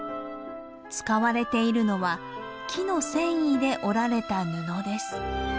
使われているのは木の繊維で織られた布です。